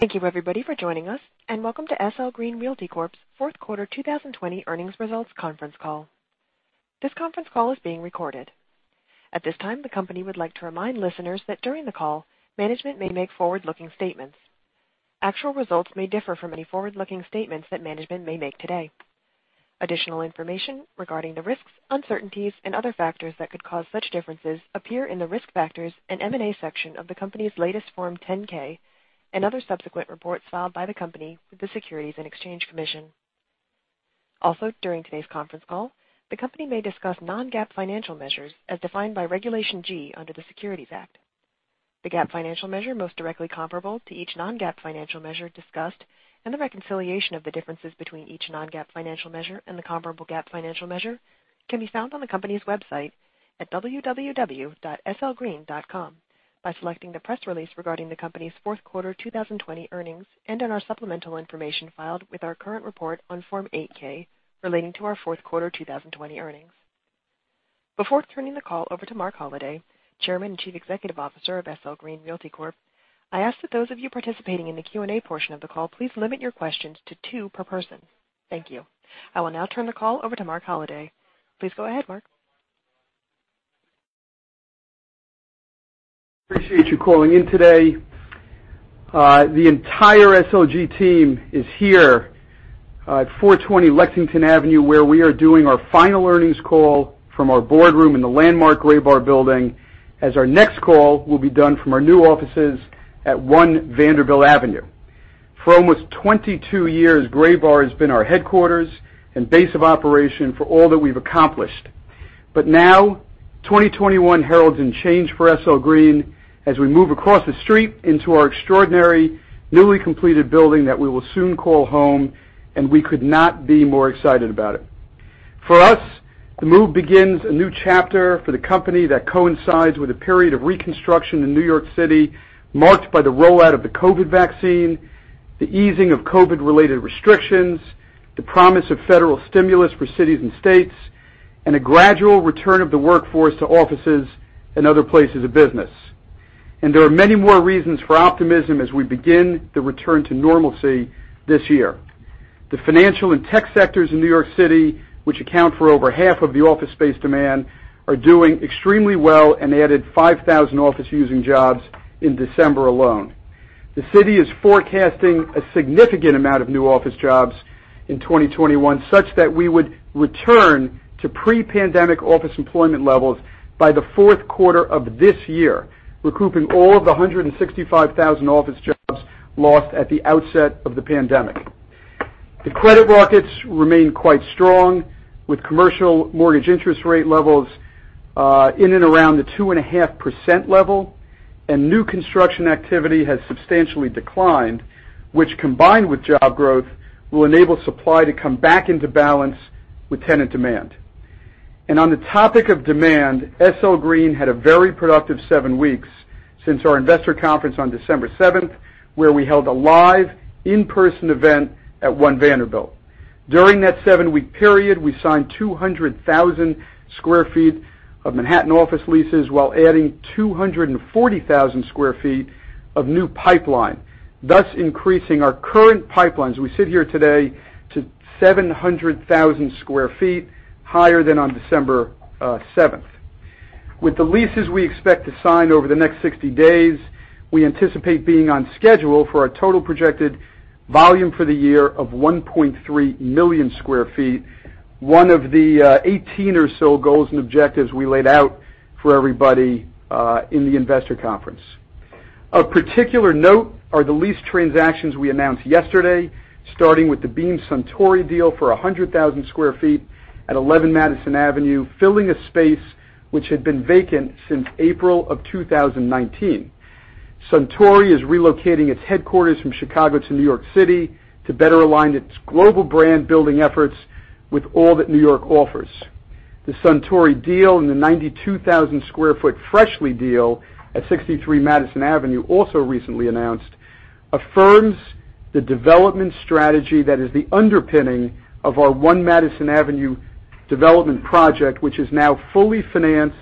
Thank you everybody for joining us and Welcome to SL Green Realty Corp.'s Fourth Quarter 2020 Earnings Results Conference Call. This conference call is being recorded. At this time, the company would like to remind listeners that during the call, management may make forward-looking statements. Actual results may differ from any forward-looking statements that management may make today. Additional information regarding the risks, uncertainties and other factors that could cause such differences appear in the Risk Factors and M&A section of the company's latest Form 10-K and other subsequent reports filed by the company with the Securities and Exchange Commission. Also, during today's conference call, the company may discuss non-GAAP financial measures as defined by Regulation G under the Securities Act. The GAAP financial measure most directly comparable to each non-GAAP financial measure discussed, and the reconciliation of the differences between each non-GAAP financial measure and the comparable GAAP financial measure can be found on the company's website at www.slgreen.com by selecting the press release regarding the company's fourth quarter 2020 earnings and in our supplemental information filed with our current report on Form 8-K relating to our fourth quarter 2020 earnings. Before turning the call over to Marc Holliday, Chairman and Chief Executive Officer of SL Green Realty Corp, I ask that those of you participating in the Q&A portion of the call, please limit your questions to two per person. Thank you. I will now turn the call over to Marc Holliday. Please go ahead, Marc. Appreciate you calling in today. The entire SLG team is here at 420 Lexington Avenue, where we are doing our final earnings call from our boardroom in the landmark Graybar Building, as our next call will be done from our new offices at 1 Vanderbilt Avenue. For almost 22 years, Graybar has been our headquarters and base of operation for all that we've accomplished. Now, 2021 heralds in change for SL Green as we move across the street into our extraordinary, newly completed building that we will soon call home, and we could not be more excited about it. For us, the move begins a new chapter for the company that coincides with a period of reconstruction in New York City, marked by the rollout of the COVID vaccine, the easing of COVID-related restrictions, the promise of federal stimulus for cities and states, and a gradual return of the workforce to offices and other places of business. There are many more reasons for optimism as we begin the return to normalcy this year. The financial and tech sectors in New York City, which account for over half of the office space demand, are doing extremely well and added 5,000 office-using jobs in December alone. The city is forecasting a significant amount of new office jobs in 2021, such that we would return to pre-pandemic office employment levels by the fourth quarter of this year, recouping all of the 165,000 office jobs lost at the outset of the pandemic. The credit markets remain quite strong, with commercial mortgage interest rate levels in and around the 2.5% level. New construction activity has substantially declined, which, combined with job growth, will enable supply to come back into balance with tenant demand. On the topic of demand, SL Green had a very productive seven weeks since our investor conference on December 7th, where we held a live in-person event at One Vanderbilt. During that seven-week period, we signed 200,000 sq ft of Manhattan office leases while adding 240,000 sq ft of new pipeline, thus increasing our current pipelines. We sit here today to 700,000 sq ft higher than on December 7th. With the leases we expect to sign over the next 60 days, we anticipate being on schedule for our total projected volume for the year of 1.3 million square feet, one of the 18 or so goals and objectives we laid out for everybody in the investor conference. Of particular note are the lease transactions we announced yesterday, starting with the Beam Suntory deal for 100,000 square feet at 11 Madison Avenue, filling a space which had been vacant since April of 2019. Suntory is relocating its headquarters from Chicago to New York City to better align its global brand building efforts with all that New York offers. The Suntory deal and the 92,000 sq ft Freshly deal at 63 Madison Avenue, also recently announced, affirms the development strategy that is the underpinning of our 1 Madison Avenue development project, which is now fully financed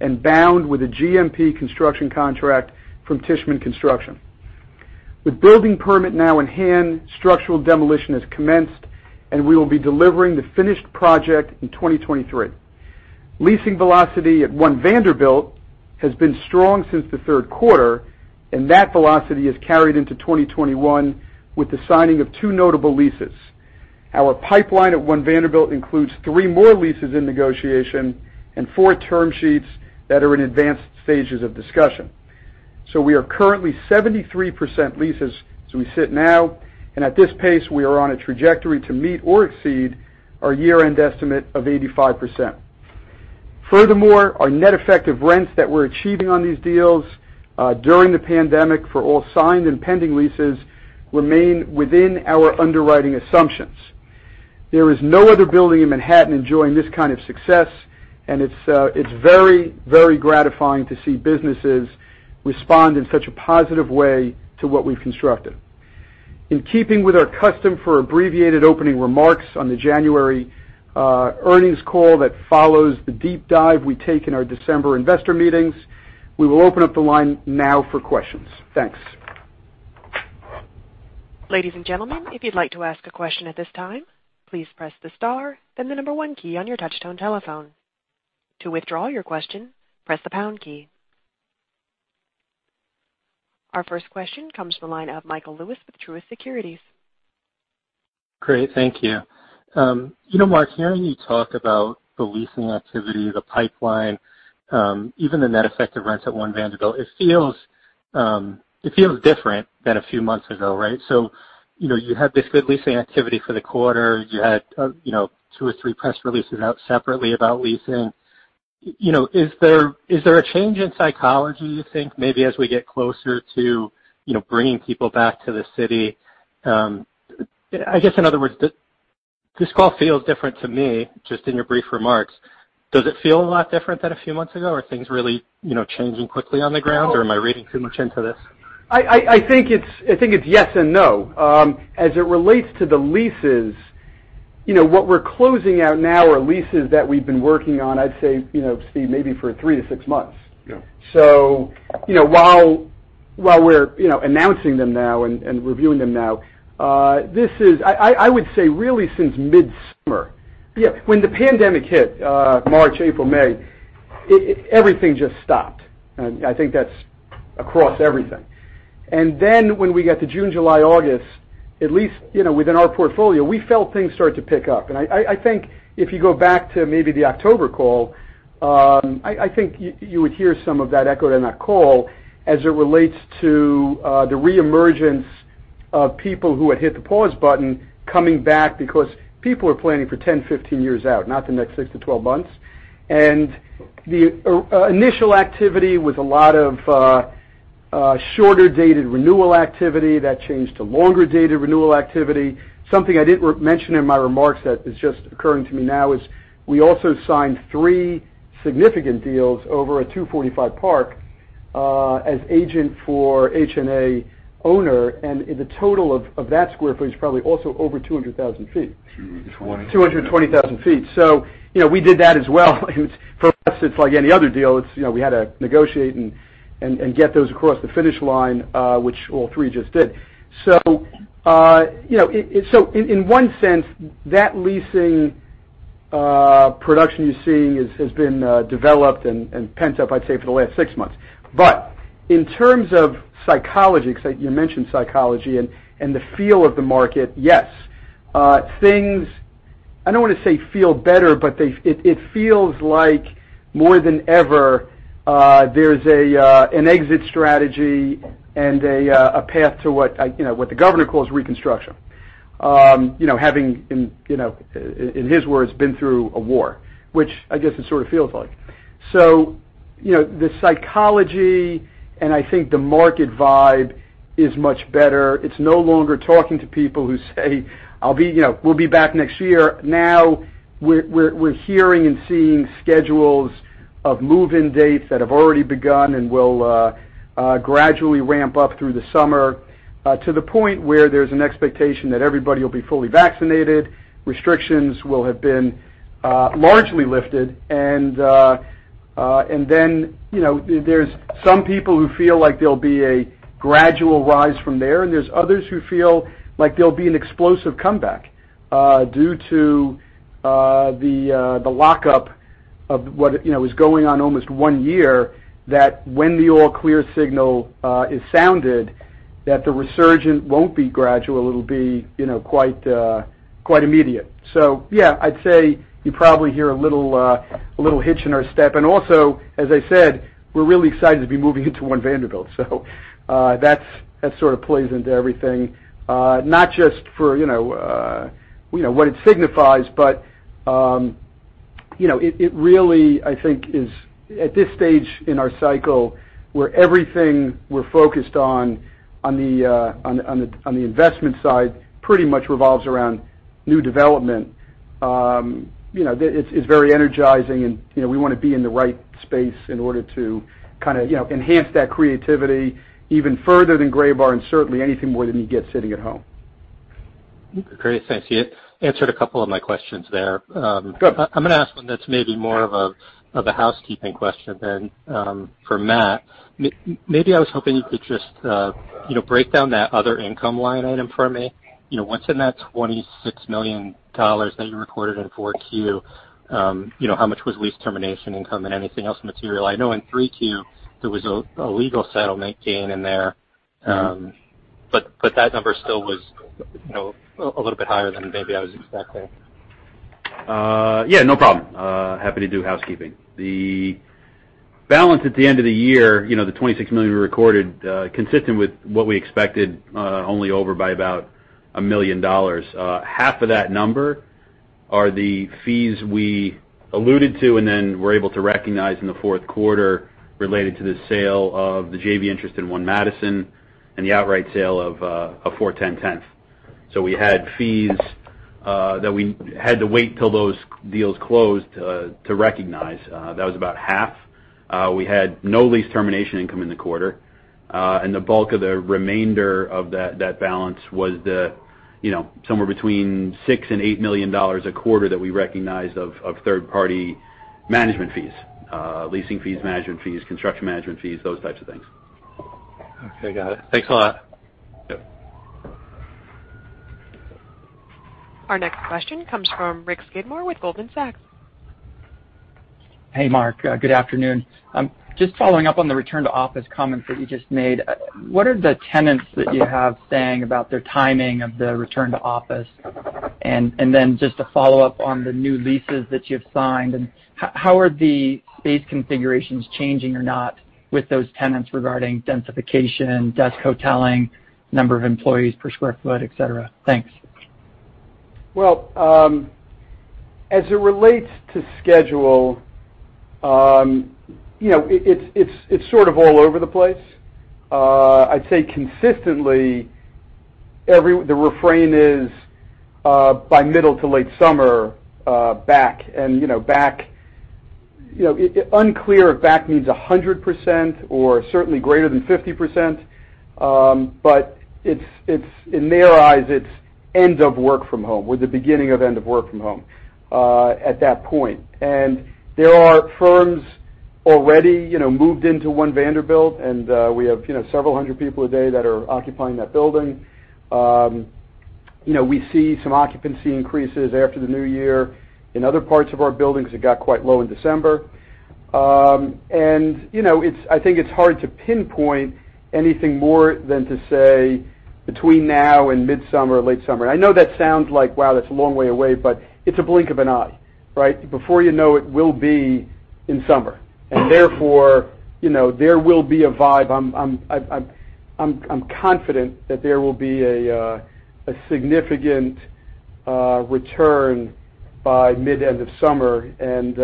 and bound with a GMP construction contract from Tishman Construction. With building permit now in hand, structural demolition has commenced, and we will be delivering the finished project in 2023. Leasing velocity at 1 Vanderbilt has been strong since the third quarter, and that velocity is carried into 2021 with the signing of two notable leases. Our pipeline at 1 Vanderbilt includes three more leases in negotiation and four term sheets that are in advanced stages of discussion. We are currently 73% leases as we sit now, and at this pace, we are on a trajectory to meet or exceed our year-end estimate of 85%. Furthermore, our net effective rents that we're achieving on these deals during the pandemic for all signed and pending leases remain within our underwriting assumptions. There is no other building in Manhattan enjoying this kind of success, and it's very, very gratifying to see businesses respond in such a positive way to what we've constructed. In keeping with our custom for abbreviated opening remarks on the January earnings call that follows the deep dive we take in our December investor meetings, we will open up the line now for questions. Thanks. [Ladies and gentlemen, if you would like to ask a question at this time, please press star and the number one key on your touch-tone telephone. To withdraw your question, press the pound key.] Our first question comes from the line of Michael Lewis with Truist Securities. Great. Thank you. Marc, hearing you talk about the leasing activity, the pipeline, even the net effect of rents at One Vanderbilt, it feels different than a few months ago, right? You have this good leasing activity for the quarter. You had two or three press releases out separately about leasing. Is there a change in psychology, you think, maybe as we get closer to bringing people back to the city? I guess, in other words, this call feels different to me, just in your brief remarks. Does it feel a lot different than a few months ago, are things really changing quickly on the ground? No. Am I reading too much into this? I think it's yes and no. As it relates to the leases, what we're closing out now are leases that we've been working on, I'd say, Steve, maybe for three to six months. Yeah. While we're announcing them now and reviewing them now, I would say really since midsummer. When the pandemic hit March, April, May, everything just stopped, and I think that's across everything. Then when we got to June, July, August, at least within our portfolio, we felt things start to pick up. I think if you go back to maybe the October call, I think you would hear some of that echoed in that call as it relates to the reemergence of people who had hit the pause button coming back because people are planning for 10, 15 years out, not the next six to 12 months. The initial activity was a lot of shorter-dated renewal activity. That changed to longer-dated renewal activity. Something I didn't mention in my remarks that is just occurring to me now is we also signed three significant deals over at 245 Park as agent for HNA owner. The total of that square footage probably also over 200,000 feet. 220. 220,000 feet. We did that as well, and for us, it's like any other deal. We had to negotiate and get those across the finish line, which all three just did. In one sense, that leasing production you're seeing has been developed and pent up, I'd say, for the last six months. In terms of psychology, because you mentioned psychology, and the feel of the market, yes. Things, I don't want to say feel better, but it feels like more than ever, there's an exit strategy and a path to what the governor calls reconstruction. Having, in his words, been through a war, which I guess it sort of feels like. The psychology, and I think the market vibe, is much better. It's no longer talking to people who say, "We'll be back next year." Now, we're hearing and seeing schedules of move-in dates that have already begun and will gradually ramp up through the summer to the point where there's an expectation that everybody will be fully vaccinated, restrictions will have been largely lifted. Then there's some people who feel like there'll be a gradual rise from there, and there's others who feel like there'll be an explosive comeback due to the lockup of what is going on almost one year, that when the all-clear signal is sounded, that the resurgent won't be gradual. It'll be quite immediate. Yeah, I'd say you probably hear a little hitch in our step, and also, as I said, we're really excited to be moving into One Vanderbilt. That sort of plays into everything. Not just for what it signifies, but it really, I think is, at this stage in our cycle, where everything we're focused on the investment side pretty much revolves around new development. We want to be in the right space in order to enhance that creativity even further than Graybar and certainly anything more than you get sitting at home. Great. Thank you. You answered a couple of my questions there. Sure. I'm going to ask one that's maybe more of a housekeeping question then for Matt. I was hoping you could just break down that other income line item for me. What's in that $26 million that you recorded in Q4? How much was lease termination income and anything else material? I know in Q3, there was a legal settlement gain in there, but that number still was a little bit higher than maybe I was expecting. Yeah, no problem. Happy to do housekeeping. The balance at the end of the year, the $26 million we recorded, consistent with what we expected, only over by about $1 million. Half of that number are the fees we alluded to and then were able to recognize in the fourth quarter related to the sale of the JV interest in 1 Madison and the outright sale of 410 Tenth. We had fees that we had to wait till those deals closed to recognize. That was about half. We had no lease termination income in the quarter. The bulk of the remainder of that balance was the somewhere between $6 and $8 million a quarter that we recognized of third-party management fees, leasing fees, management fees, construction management fees, those types of things. Okay, got it. Thanks a lot. Yep. Our next question comes from Rick Skidmore with Goldman Sachs. Hey, Marc. Good afternoon. Just following up on the return-to-office comments that you just made. What are the tenants that you have saying about their timing of the return to office? Just to follow up on the new leases that you've signed, how are the space configurations changing or not with those tenants regarding densification, desk hoteling, number of employees per square foot, et cetera? Thanks. Well, as it relates to schedule, it's sort of all over the place. I'd say consistently, the refrain is, by middle to late summer, back. Unclear if back means 100% or certainly greater than 50%, but in their eyes, it's end of work from home or the beginning of end of work from home at that point. There are firms already moved into One Vanderbilt, and we have several hundred people a day that are occupying that building. We see some occupancy increases after the new year in other parts of our buildings that got quite low in December. I think it's hard to pinpoint anything more than to say between now and midsummer or late summer. I know that sounds like, wow, that's a long way away, but it's a blink of an eye, right? Before you know it, we'll be in summer. Therefore, there will be a vibe. I'm confident that there will be a significant return by mid-end of summer, and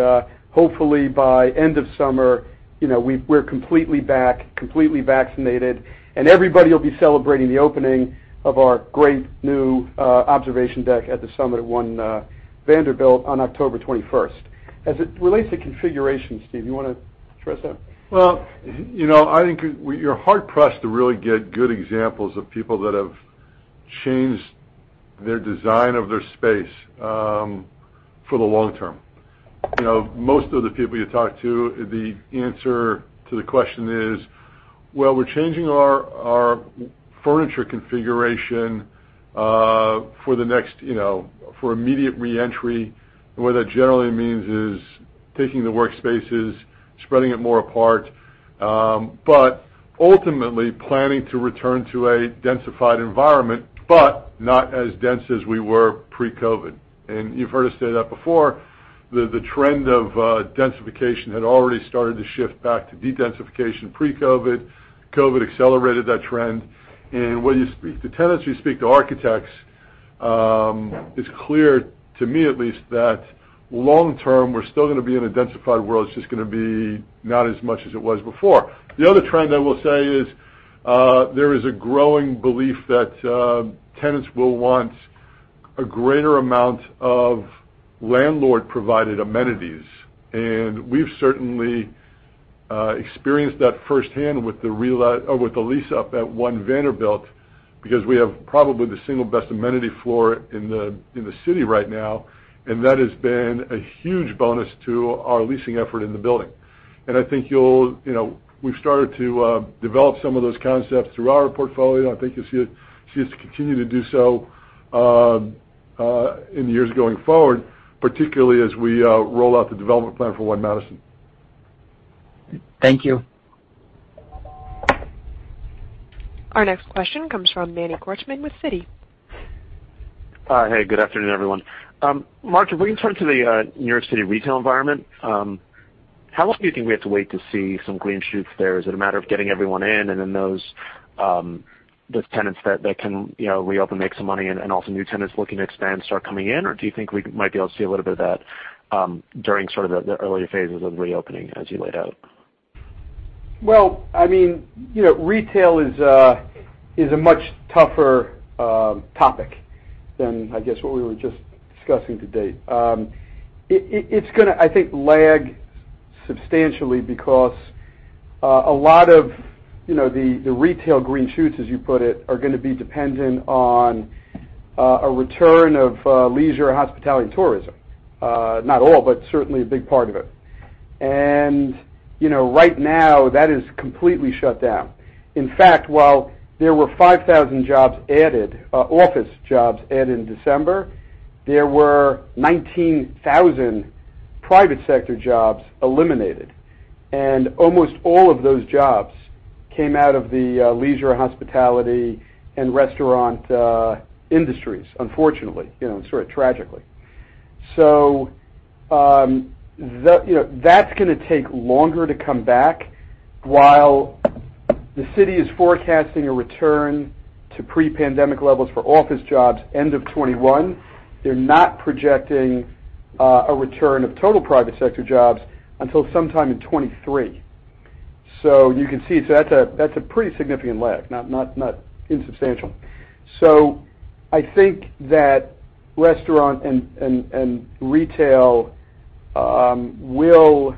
hopefully by end of summer, we're completely back, completely vaccinated, and everybody will be celebrating the opening of our great new observation deck at the SUMMIT at One Vanderbilt on October 21st. As it relates to configurations, Steve, you want to address that? I think you're hard-pressed to really get good examples of people that have changed their design of their space for the long term. Most of the people you talk to, the answer to the question is, "Well, we're changing our furniture configuration for immediate re-entry." What that generally means is taking the workspaces, spreading it more apart, but ultimately planning to return to a densified environment, but not as dense as we were pre-COVID. You've heard us say that before, the trend of densification had already started to shift back to de-densification pre-COVID. COVID accelerated that trend. Whether you speak to tenants, you speak to architects, it's clear, to me at least, that long term, we're still going to be in a densified world. It's just going to be not as much as it was before. The other trend I will say is, there is a growing belief that tenants will want a greater amount of landlord-provided amenities. We've certainly experienced that firsthand with the lease up at One Vanderbilt because we have probably the single best amenity floor in the city right now, that has been a huge bonus to our leasing effort in the building. I think we've started to develop some of those concepts through our portfolio, I think you'll see us continue to do so in the years going forward, particularly as we roll out the development plan for One Madison. Thank you. Our next question comes from Manny Korchman with Citi. Hi. Good afternoon, everyone. Marc, can we turn to the New York City retail environment? How long do you think we have to wait to see some green shoots there? Is it a matter of getting everyone in and then those tenants that can reopen, make some money in, and also new tenants looking to expand start coming in? Do you think we might be able to see a little bit of that during sort of the earlier phases of reopening as you laid out? Well, retail is a much tougher topic than I guess what we were just discussing to date. It's going to, I think, lag substantially because a lot of the retail green shoots, as you put it, are going to be dependent on a return of leisure, hospitality, and tourism. Not all, but certainly a big part of it. Right now, that is completely shut down. In fact, while there were 5,000 office jobs added in December, there were 19,000 private sector jobs eliminated, and almost all of those jobs came out of the leisure, hospitality, and restaurant industries, unfortunately, sort of tragically. That's going to take longer to come back. While the city is forecasting a return to pre-pandemic levels for office jobs end of 2021, they're not projecting a return of total private sector jobs until sometime in 2023. You can see, that's a pretty significant lag, not insubstantial. I think that restaurant and retail will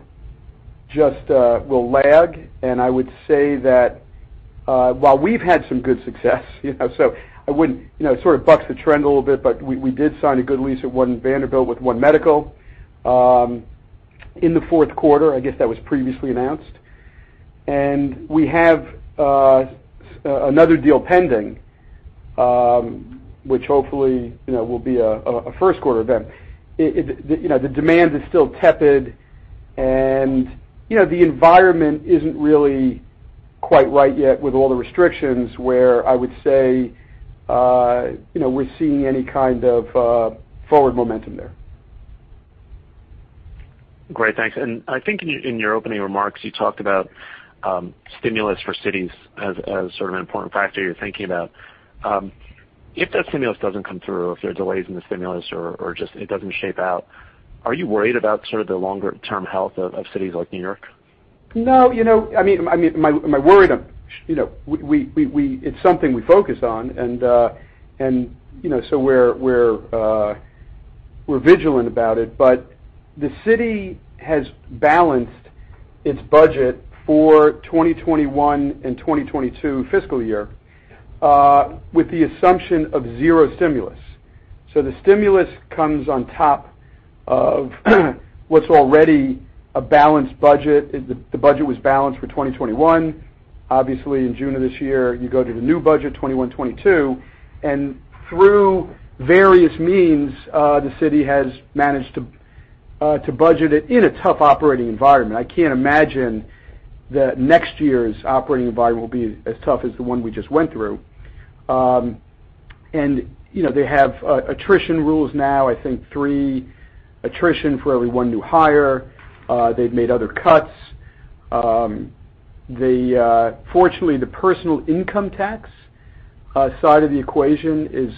lag, and I would say that while we've had some good success, it sort of bucks the trend a little bit, but we did sign a good lease at One Vanderbilt with One Medical in the fourth quarter. I guess that was previously announced. We have another deal pending, which hopefully will be a first-quarter event. The demand is still tepid, and the environment isn't really quite right yet with all the restrictions, where I would say we're seeing any kind of forward momentum there. Great. Thanks. I think in your opening remarks, you talked about stimulus for cities as sort of an important factor you're thinking about. If that stimulus doesn't come through, or if there are delays in the stimulus, or just it doesn't shape out, are you worried about the longer-term health of cities like New York? No. Am I worried? It's something we focus on, and so we're vigilant about it, but the city has balanced its budget for 2021 and 2022 fiscal year with the assumption of zero stimulus. The stimulus comes on top of what's already a balanced budget. The budget was balanced for 2021. Obviously, in June of this year, you go to the new budget 2021, 2022, and through various means, the city has managed to budget it in a tough operating environment. I can't imagine that next year's operating environment will be as tough as the one we just went through. They have attrition rules now, I think three attrition for every one new hire. They've made other cuts. Fortunately, the personal income tax side of the equation is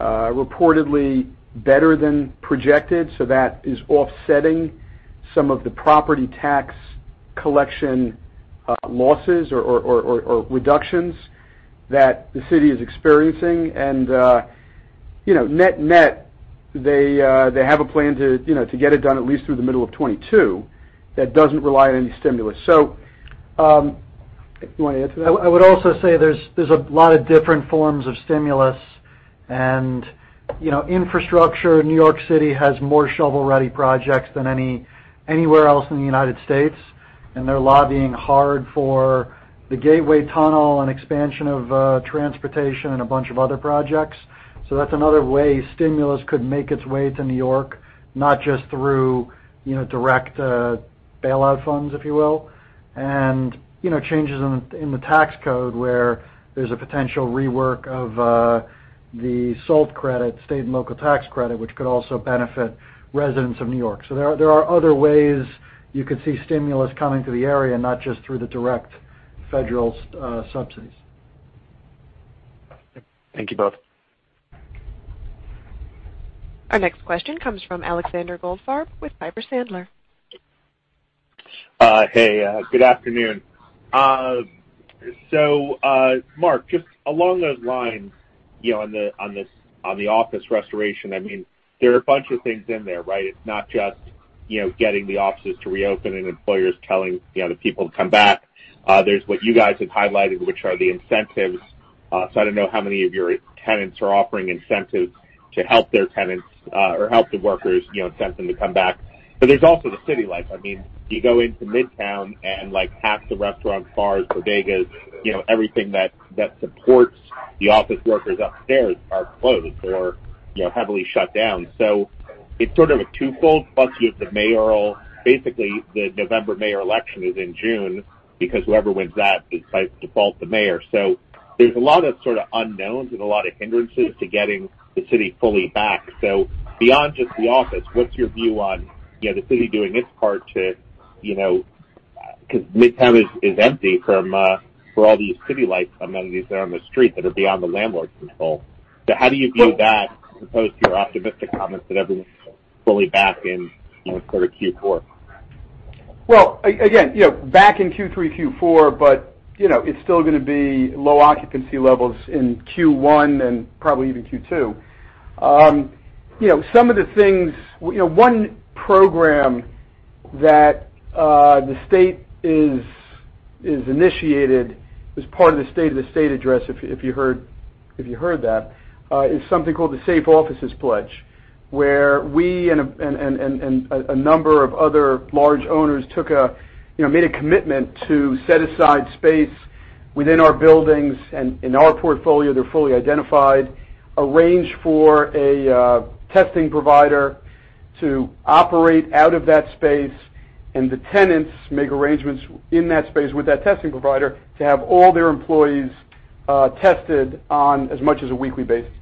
reportedly better than projected, so that is offsetting some of the property tax collection losses or reductions that the city is experiencing. Net net, they have a plan to get it done at least through the middle of 2022 that doesn't rely on any stimulus. You want to answer that? I would also say there's a lot of different forms of stimulus and infrastructure. New York City has more shovel-ready projects than anywhere else in the United States, and they're lobbying hard for the gateway tunnel and expansion of transportation and a bunch of other projects. That's another way stimulus could make its way to New York, not just through direct bailout funds, if you will. Changes in the tax code, where there's a potential rework of the SALT credit, state and local tax credit, which could also benefit residents of New York. There are other ways you could see stimulus coming to the area, not just through the direct federal subsidies. Thank you both. Our next question comes from Alexander Goldfarb with Piper Sandler. Hey, good afternoon. Marc, just along those lines on the office restoration, there are a bunch of things in there, right? It's not just getting the offices to reopen and employers telling the people to come back. There's what you guys have highlighted, which are the incentives. I don't know how many of your tenants are offering incentives to help their tenants or help the workers, incentivize them to come back. There's also the city life. You go into Midtown and half the restaurants, bars, bodegas, everything that supports the office workers upstairs are closed or heavily shut down. It's sort of a twofold plus you have the mayoral, basically the November mayoral election is in June because whoever wins that is by default the mayor. There's a lot of sort of unknowns and a lot of hindrances to getting the city fully back. Beyond just the office, what's your view on the city doing its part to because Midtown is empty for all these city lights, amenities that are on the street that are beyond the landlord's control. How do you view that, as opposed to your optimistic comments that everyone's fully back in sort of Q4? Well, again, back in Q3, Q4, it's still going to be low occupancy levels in Q1 and probably even Q2. One program that the state has initiated as part of the State of the State address, if you heard that, is something called the Safe Offices Pledge, where we and a number of other large owners made a commitment to set aside space within our buildings and in our portfolio, they're fully identified, arrange for a testing provider to operate out of that space, the tenants make arrangements in that space with that testing provider to have all their employees tested on as much as a weekly basis,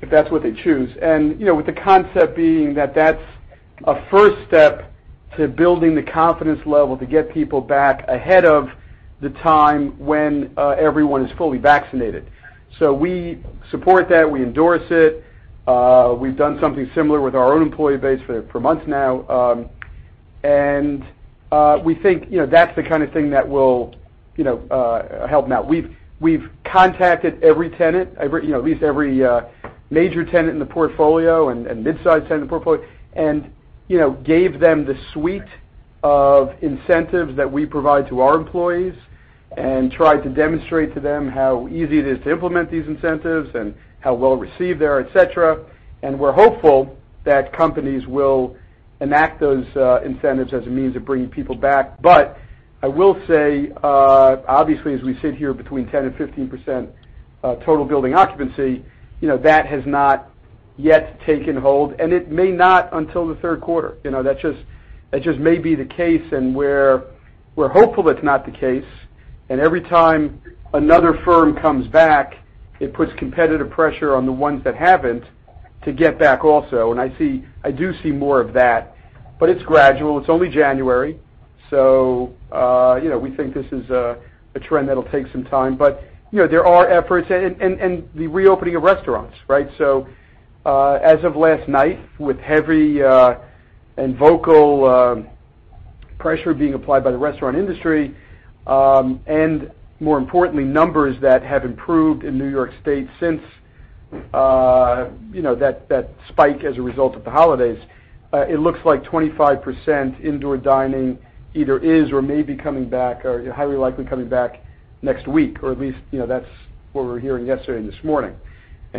if that's what they choose. With the concept being that that's a first step to building the confidence level to get people back the time when everyone is fully vaccinated. We support that, we endorse it. We've done something similar with our own employee base for months now. We think that's the kind of thing that will help now. We've contacted every tenant, at least every major tenant in the portfolio and mid-size tenant in the portfolio, and gave them the suite of incentives that we provide to our employees, and tried to demonstrate to them how easy it is to implement these incentives and how well-received they are, et cetera. We're hopeful that companies will enact those incentives as a means of bringing people back. I will say, obviously, as we sit here between 10% and 15% total building occupancy, that has not yet taken hold, and it may not until the third quarter. That just may be the case, and we're hopeful that's not the case. Every time another firm comes back, it puts competitive pressure on the ones that haven't to get back also, and I do see more of that. It's gradual. It's only January, so we think this is a trend that'll take some time. There are efforts, and the reopening of restaurants, right? As of last night, with heavy and vocal pressure being applied by the restaurant industry, and more importantly, numbers that have improved in New York State since that spike as a result of the holidays, it looks like 25% indoor dining either is or may be coming back, or highly likely coming back next week, or at least that's what we were hearing yesterday and this morning.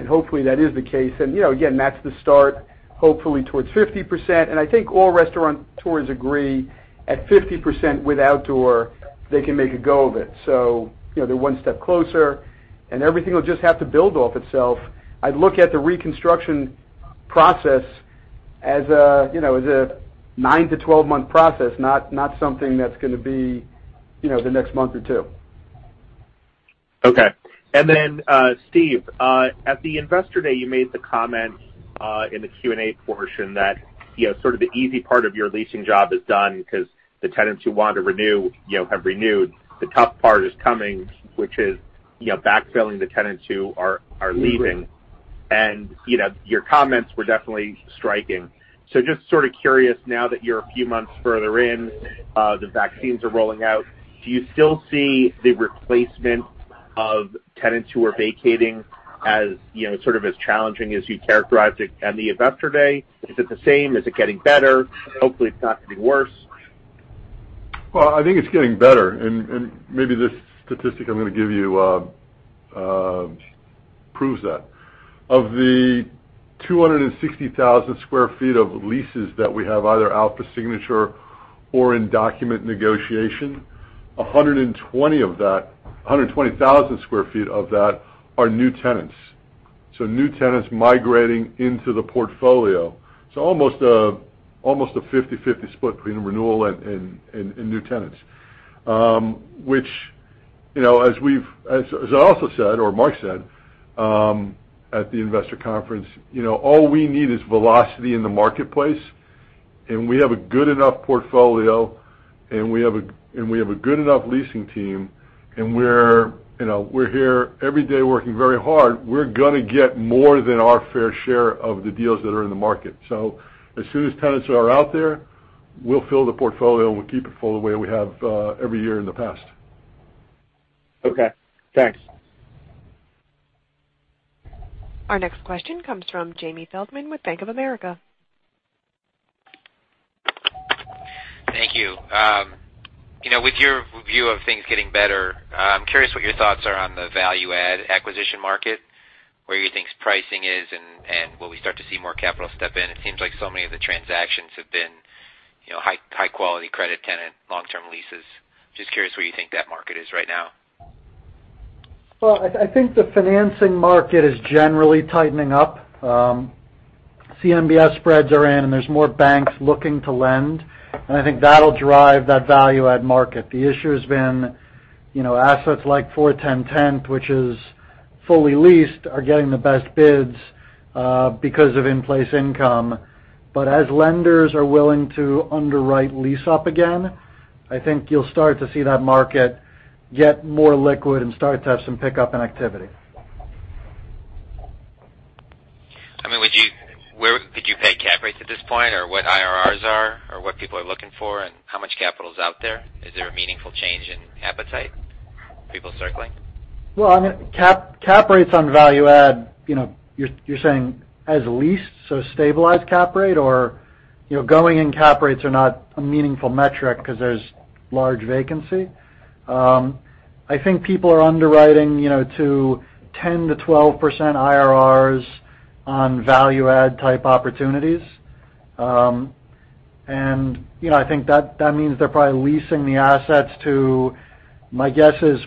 Hopefully, that is the case. Again, that's the start, hopefully towards 50%. I think all restaurateurs agree, at 50% with outdoor, they can make a go of it. They're one step closer, and everything will just have to build off itself. I'd look at the reconstruction process as a 9-to-12-month process, not something that's going to be the next month or two. Okay. Steve, at the Investor Day, you made the comment, in the Q&A portion, that sort of the easy part of your leasing job is done because the tenants who want to renew have renewed. The tough part is coming, which is backfilling the tenants who are leaving. Your comments were definitely striking. Just sort of curious, now that you're a few months further in, the vaccines are rolling out, do you still see the replacement of tenants who are vacating as sort of as challenging as you characterized it at the Investor Day? Is it the same? Is it getting better? Hopefully it's not getting worse. Well, I think it's getting better, and maybe this statistic I'm going to give you proves that. Of the 260,000 square feet of leases that we have either out for signature or in document negotiation, 120,000 square feet of that are new tenants. New tenants migrating into the portfolio. Almost a 50/50 split between renewal and new tenants. Which, as I also said, or Marc said, at the investor conference, all we need is velocity in the marketplace, and we have a good enough portfolio, and we have a good enough leasing team, and we're here every day working very hard. We're going to get more than our fair share of the deals that are in the market. As soon as tenants are out there, we'll fill the portfolio, and we'll keep it full the way we have every year in the past. Okay, thanks. Our next question comes from Jamie Feldman with Bank of America. Thank you. With your view of things getting better, I'm curious what your thoughts are on the value add acquisition market, where you think pricing is, and will we start to see more capital step in? It seems like so many of the transactions have been high-quality credit tenant, long-term leases. Just curious where you think that market is right now. Well, I think the financing market is generally tightening up. CMBS spreads are in, and there's more banks looking to lend, and I think that'll drive that value add market. The issue has been assets like 410 Tenth, which is fully leased, are getting the best bids because of in-place income. As lenders are willing to underwrite lease-up again, I think you'll start to see that market get more liquid and start to have some pickup in activity. Could you peg cap rates at this point, or what IRRs are, or what people are looking for, and how much capital is out there? Is there a meaningful change in appetite? People circling? Cap rates on value add, you're saying as leased, so stabilized cap rate? Or going in cap rates are not a meaningful metric because there's large vacancy? I think people are underwriting to 10%-12% IRRs on value add type opportunities. I think that means they're probably leasing the assets to, my guess is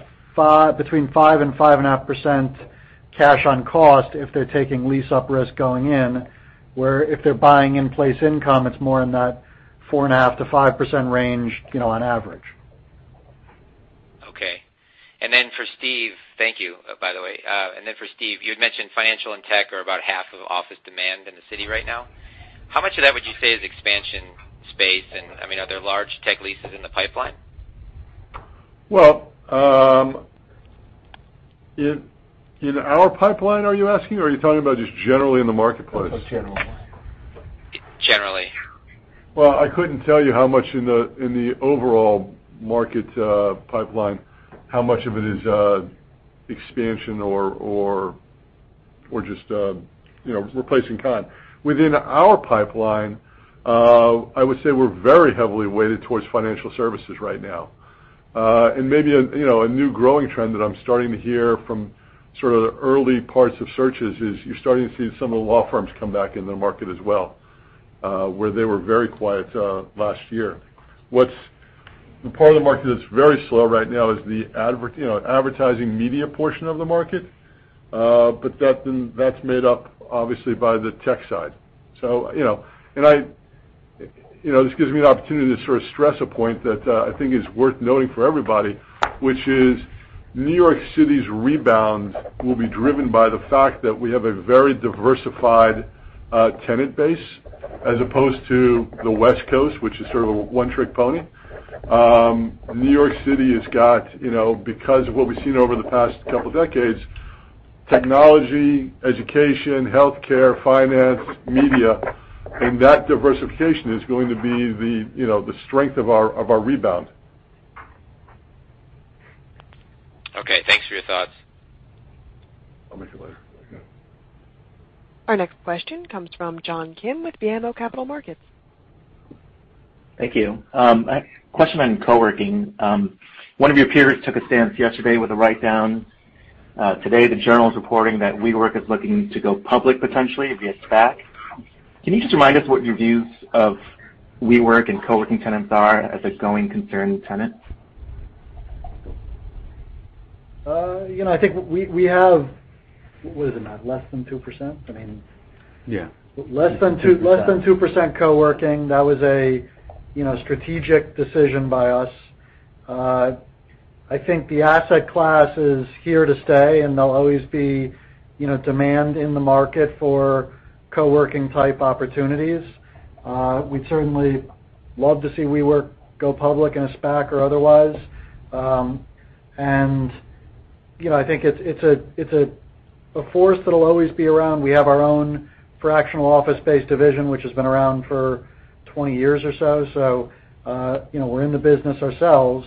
between 5% and 5.5% cash on cost if they're taking lease-up risk going in. Where if they're buying in-place income, it's more in that 4.5%-5% range on average. Okay. For Steve, thank you, by the way. For Steve, you had mentioned financial and tech are about half of office demand in the city right now. How much of that would you say is expansion space? Are there large tech leases in the pipeline? Well, in our pipeline, are you asking, or are you talking about just generally in the marketplace? Generally. Well, I couldn't tell you how much in the overall market pipeline, how much of it is expansion or just replacing con. Within our pipeline, I would say we're very heavily weighted towards financial services right now. Maybe a new growing trend that I'm starting to hear from sort of the early parts of searches is you're starting to see some of the law firms come back in the market as well, where they were very quiet last year. The part of the market that's very slow right now is the advertising media portion of the market. That's made up, obviously, by the tech side. This gives me an opportunity to sort of stress a point that I think is worth noting for everybody, which is New York City's rebound will be driven by the fact that we have a very diversified tenant base as opposed to the West Coast, which is sort of a one-trick pony. [New York City has got because of what we've seen over the past couple of decades, technology, education, healthcare finance, media, and] that diversification is going to be the strength of our rebound. Okay, thanks for your thoughts. I'll make it later. Yeah. Our next question comes from John Kim with BMO Capital Markets. Thank you. A question on co-working. One of your peers took a stance yesterday with a write-down. Today, The Journal is reporting that WeWork is looking to go public, potentially via SPAC. Can you just remind us what your views of WeWork and co-working tenants are as a going concern tenant? I think we have What is it, Matt, less than 2%? I mean Yeah. Less than 2% co-working. That was a strategic decision by us. I think the asset class is here to stay, and there'll always be demand in the market for co-working type opportunities. We'd certainly love to see WeWork go public in a SPAC or otherwise. I think it's a force that'll always be around. We have our own fractional office-based division, which has been around for 20 years or so. We're in the business ourselves.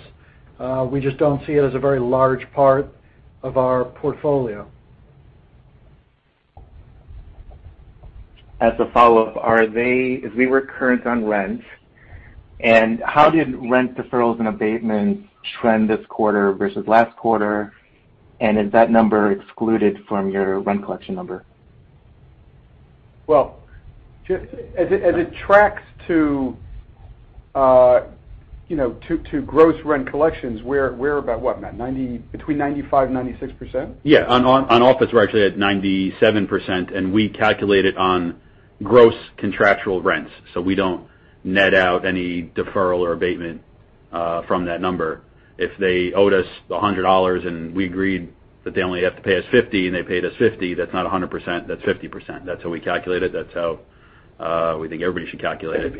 We just don't see it as a very large part of our portfolio. As a follow-up, [are they--] is WeWork current on rent? How did rent deferrals and abatements trend this quarter versus last quarter? Is that number excluded from your rent collection number? Well, as it tracks to gross rent collections, we're about what, Matt, between 95% and 96%? Yeah. On office, we're actually at 97%. We calculate it on gross contractual rents. We don't net out any deferral or abatement from that number. If they owed us $100 and we agreed that they only have to pay us $50, and they paid us $50, that's not 100%, that's 50%. That's how we calculate it. That's how we think everybody should calculate it.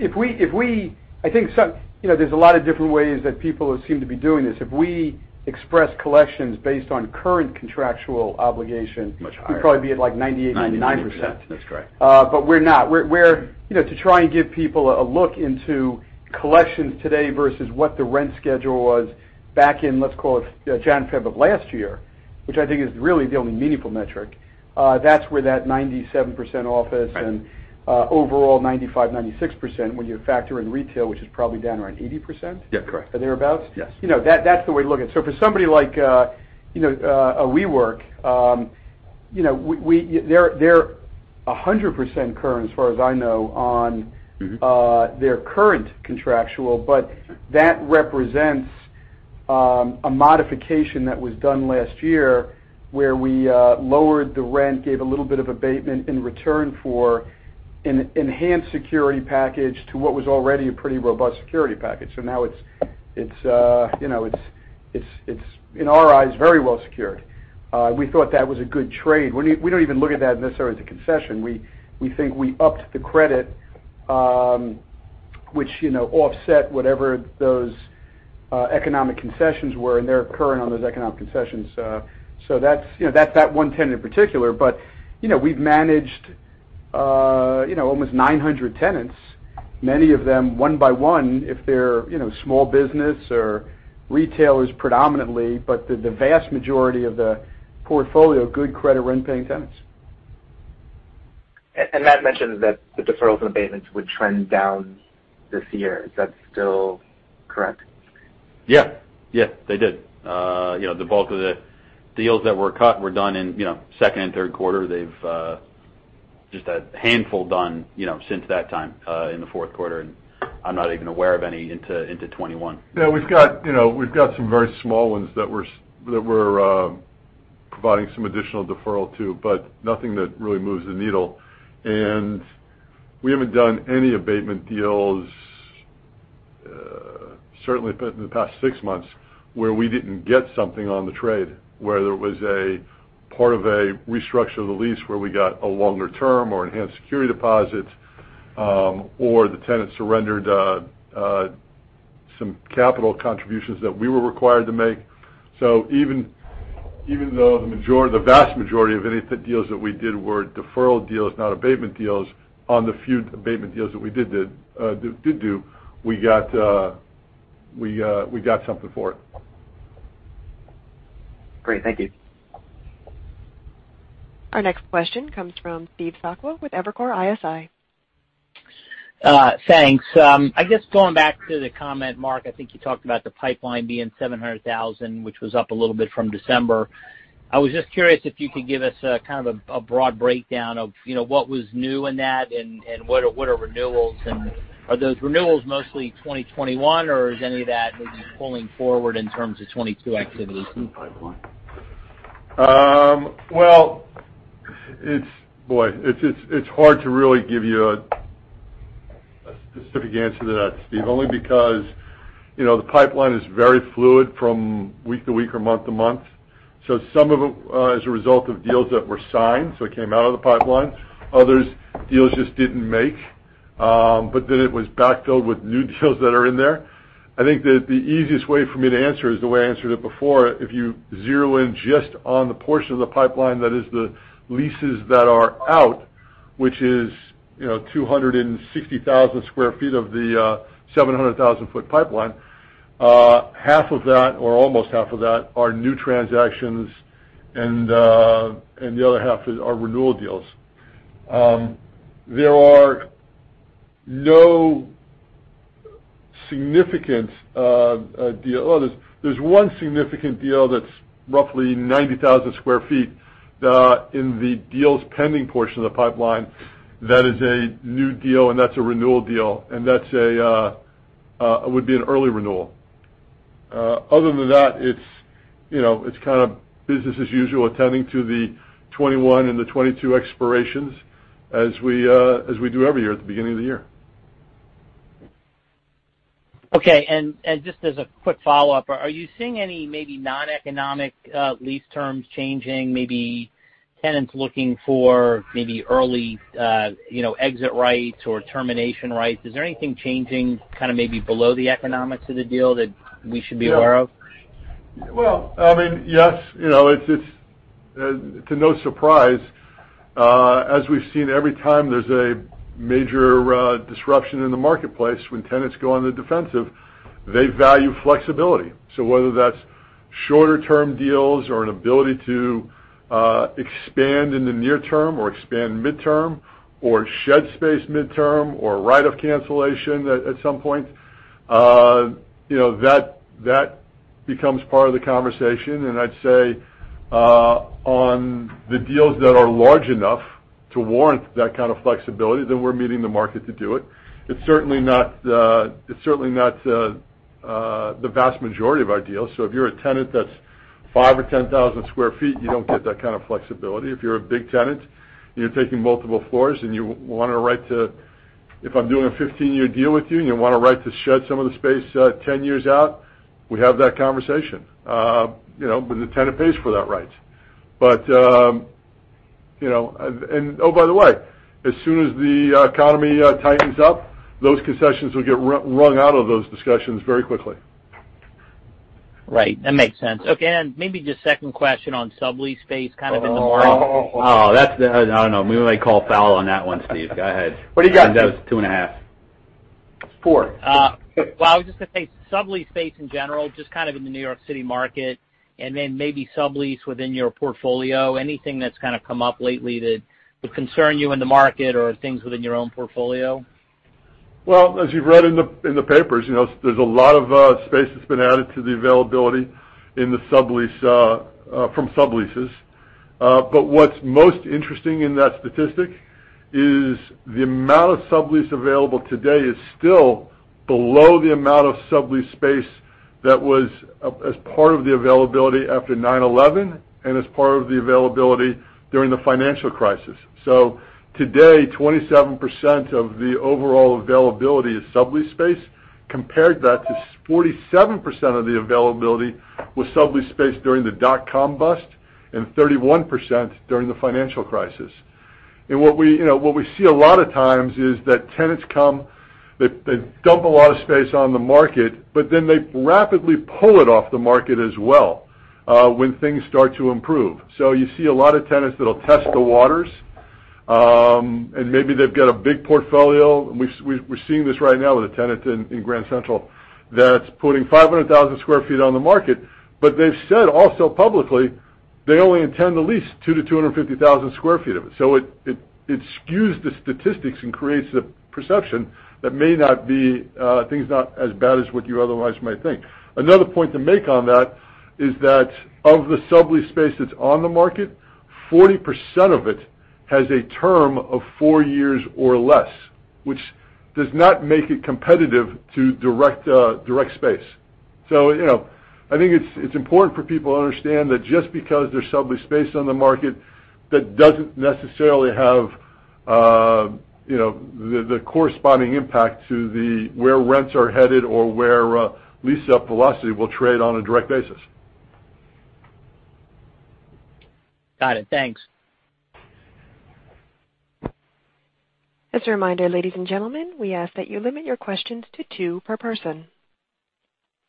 There's a lot of different ways that people seem to be doing this. If we express collections based on current contractual obligations. Much higher. we'd probably be at like 98%, 99%. That's correct. We're not. To try and give people a look into collections today versus what the rent schedule was back in, let's call it Jan, Feb of last year, which I think is really the only meaningful metric, that's where that 97% office and overall 95%, 96%, when you factor in retail, which is probably down around 80%. Yeah, correct. Thereabouts? Yes. That's the way to look at it. For somebody like a WeWork, they're 100% current, as far as I know. Their current contractual, but that represents a modification that was done last year where we lowered the rent, gave a little bit of abatement in return for an enhanced security package to what was already a pretty robust security package. Now it's, in our eyes, very well-secured. We thought that was a good trade. We don't even look at that necessarily as a concession. We think we upped the credit, which offset whatever those economic concessions were, and they're current on those economic concessions. That's that one tenant in particular, but we've managed almost 900 tenants, many of them one by one, if they're small business or retailers predominantly, but the vast majority of the portfolio, good credit, rent-paying tenants. [And as] mentioned that the deferrals and abatements would trend down this year. Is that still correct? Yeah. They did. The bulk of the deals that were cut were done in second and third quarter. They've just had a handful done since that time in the fourth quarter. I'm not even aware of any into 2021. Yeah, we've got some very small ones that were providing some additional deferral too, but nothing that really moves the needle. We haven't done any abatement deals, certainly in the past six months, where we didn't get something on the trade, where there was a part of a restructure of the lease where we got a longer term or enhanced security deposit, or the tenant surrendered some capital contributions that we were required to make. Even though the vast majority of any deals that we did were deferral deals, not abatement deals, on the few abatement deals that we did do, we got something for it. Great. Thank you. Our next question comes from Steve Sakwa with Evercore ISI. Thanks. I guess going back to the comment, Marc, I think you talked about the pipeline being 700,000, which was up a little bit from December. I was just curious if you could give us a kind of a broad breakdown of what was new in that and what are renewals, and are those renewals mostly 2021, or is any of that maybe pulling forward in terms of 2022 activities? Well, boy, it's hard to really give you a specific answer to that, Steve, only because the pipeline is very fluid from week to week or month to month. Some of them, as a result of deals that were signed, so it came out of the pipeline. Others, deals just didn't make, but then it was backfilled with new deals that are in there. I think that the easiest way for me to answer is the way I answered it before. If you zero in just on the portion of the pipeline that is the leases that are out, which is 260,000 square feet of the 700,000-foot pipeline, half of that, or almost half of that, are new transactions and the other half are renewal deals. There are no significant deal Oh, there's one significant deal that's roughly 90,000 square feet, in the deals pending portion of the pipeline. That is a new deal, and that's a renewal deal, and that would be an early renewal. Other than that, it's kind of business as usual, attending to the 2021 and the 2022 expirations as we do every year at the beginning of the year. Okay. Just as a quick follow-up, are you seeing any maybe non-economic lease terms changing, maybe tenants looking for maybe early exit rights or termination rights? Is there anything changing kind of maybe below the economics of the deal that we should be aware of? I mean, yes. It's to no surprise. As we've seen every time there's a major disruption in the marketplace, when tenants go on the defensive, they value flexibility. Whether that's shorter-term deals or an ability to expand in the near term or expand midterm, or shed space midterm, or right of cancellation at some point, that becomes part of the conversation. I'd say, on the deals that are large enough to warrant that kind of flexibility, then we're meeting the market to do it. It's certainly not the vast majority of our deals. If you're a tenant that's 5,000 or 10,000 sq ft, you don't get that kind of flexibility. If I'm doing a 15-year deal with you and you want a right to shed some of the space 10 years out, we have that conversation. The tenant pays for that right. Oh, by the way, as soon as the economy tightens up, those concessions will get wrung out of those discussions very quickly. Right. That makes sense. Okay, maybe just second question on sublease space kind of in the market? Oh. Oh, that's, I don't know. We may call foul on that one, Steve. Go ahead. What do you got, Doug? 2.5. Four. Well, I was just gonna say, sublease space in general, just kind of in the New York City market, and then maybe sublease within your portfolio. Anything that's kind of come up lately that would concern you in the market or things within your own portfolio? Well, as you've read in the papers, there's a lot of space that's been added to the availability from subleases. What's most interesting in that statistic is the amount of sublease available today is still below the amount of sublease space that was as part of the availability after 9/11 and as part of the availability during the financial crisis. Today, 27% of the overall availability is sublease space. Compare that to 47% of the availability with sublease space during the dot-com bust and 31% during the financial crisis. What we see a lot of times is that tenants come, they dump a lot of space on the market, but then they rapidly pull it off the market as well, when things start to improve. You see a lot of tenants that'll test the waters, and maybe they've got a big portfolio. We're seeing this right now with a tenant in Grand Central that's putting 500,000 sq ft on the market. They've said also publicly, they only intend to lease 200,000-250,000 sq ft of it. It skews the statistics and creates the perception that may not be things not as bad as what you otherwise might think. Another point to make on that is that of the sublease space that's on the market, 40% of it has a term of four years or less, which does not make it competitive to direct space. I think it's important for people to understand that just because there's sublet space on the market, that doesn't necessarily have the corresponding impact to where rents are headed or where lease-up velocity will trade on a direct basis. Got it. Thanks. As a reminder, ladies and gentlemen, we ask that you limit your questions to two per person.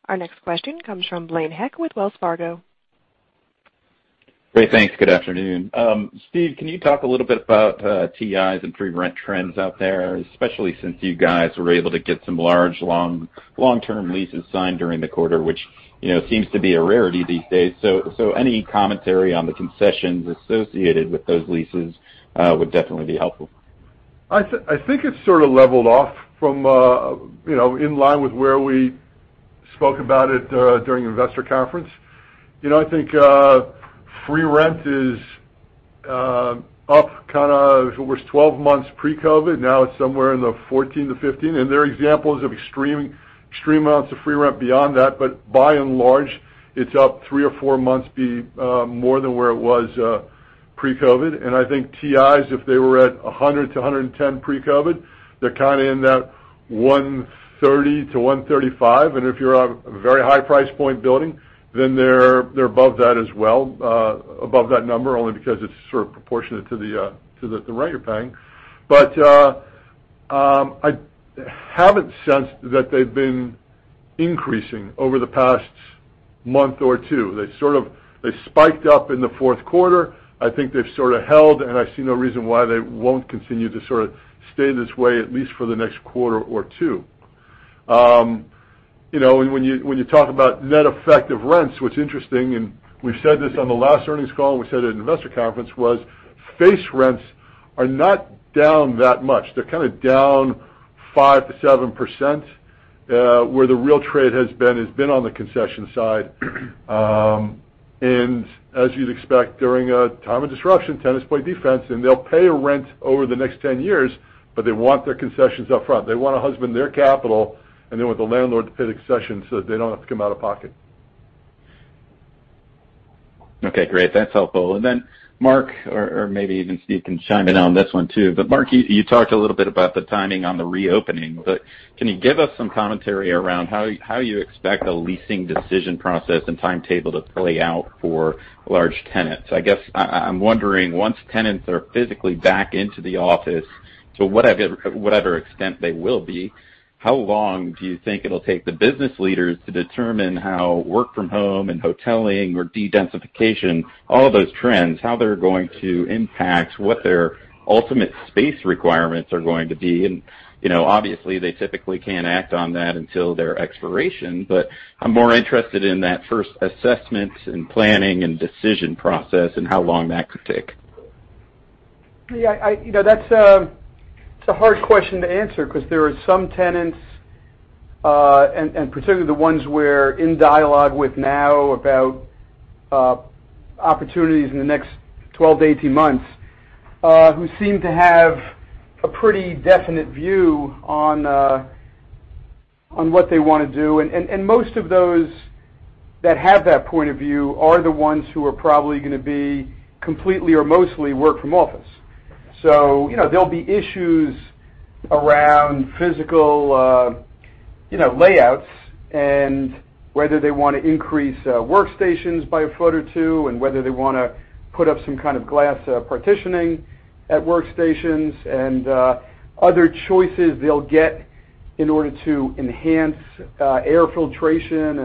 Our next question comes from Blaine Heck with Wells Fargo. Great. Thanks. Good afternoon. Steve, can you talk a little bit about TIs and free rent trends out there, especially since you guys were able to get some large, long-term leases signed during the quarter, which seems to be a rarity these days. Any commentary on the concessions associated with those leases would definitely be helpful. I think it's sort of leveled off from in line with where we spoke about it during Investor Conference. I think free rent is up kind of it was 12 months pre-COVID, now it's somewhere in the 14 to 15, there are examples of extreme amounts of free rent beyond that, by and large, it's up 3 or 4 months more than where it was pre-COVID. I think TIs, if they were at 100 to 110 pre-COVID, they're kind of in that 130 to 135. If you're a very high price point building, then they're above that as well, above that number, only because it's sort of proportionate to the rate you're paying. I haven't sensed that they've been increasing over the past month or two. They spiked up in the fourth quarter. I think they've sort of held, and I see no reason why they won't continue to sort of stay this way, at least for the next quarter or two. When you talk about net effective rents, what's interesting, and we've said this on the last earnings call, and we said it at Investor Conference, was face rents are not down that much. They're kind of down 5%-7%, where the real trade has been on the concession side. As you'd expect during a time of disruption, tenants play defense and they'll pay a rent over the next 10 years, but they want their concessions up front. They want to husband their capital, and they want the landlord to pay the concessions, so that they don't have to come out of pocket. Okay, great. That's helpful. Marc, or maybe even Steve can chime in on this one, too. Marc, you talked a little bit about the timing on the reopening, but can you give us some commentary around how you expect a leasing decision process and timetable to play out for large tenants? I guess I'm wondering, once tenants are physically back into the office to whatever extent they will be, how long do you think it'll take the business leaders to determine how work from home and hoteling or dedensification, all of those trends, how they're going to impact what their ultimate space requirements are going to be? Obviously, they typically can't act on that until their expiration, but I'm more interested in that first assessment and planning and decision process and how long that could take. Yeah. That's a hard question to answer because there are some tenants, and particularly the ones we're in dialogue with now about opportunities in the next 12 to 18 months, who seem to have a pretty definite view on what they want to do. Most of those that have that point of view are the ones who are probably going to be completely or mostly work from office. There'll be issues around physical layouts and whether they want to increase workstations by a foot or two, and whether they want to put up some kind of glass partitioning at workstations and other choices they'll get in order to enhance air filtration